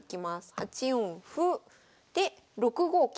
８四歩で６五桂。